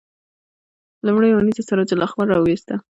لومړۍ اونیزه سراج الاخبار راوویسته.